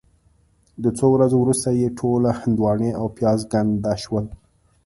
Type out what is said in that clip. د څو ورځو وروسته یې ټولې هندواڼې او پیاز ګنده شول.